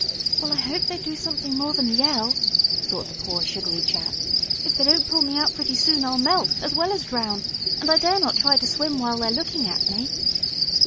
"Well, I hope they do something more than yell," thought the poor, sugary chap. "If they don't pull me out pretty soon I'll melt, as well as drown, and I dare not try to swim when they're looking at me!"